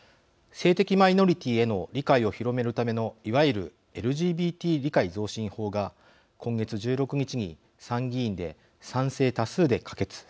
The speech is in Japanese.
性的マイノリティーへの理解を広めるためのいわゆるＬＧＢＴ理解増進法が今月１６日に参議院で賛成多数で可決・成立しました。